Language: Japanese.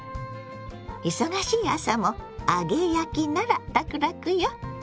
忙しい朝も揚げ焼きならラクラクよ。